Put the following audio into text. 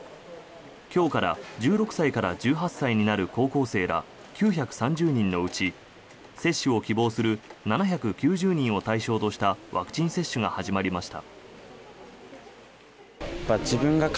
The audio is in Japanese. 今日から１６歳から１８歳になる高校生９３０人のうち接種を希望する７９０人を対象としたワクチン接種が始まりました。